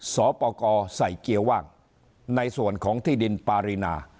สปกรใส่เกียร์ว่างในส่วนของที่ดินปารีนา